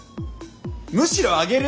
むしろ上げる？